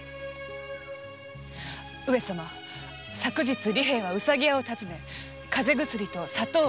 昨日利平は「うさぎや」を訪ね風邪薬と砂糖を置いています。